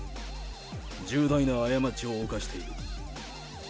重大な過ちを犯している。